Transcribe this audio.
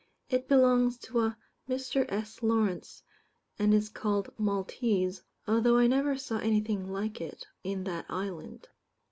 It belongs to a Mr. S. Lawrence, and is called "Maltese," although I never saw anything like it in that island.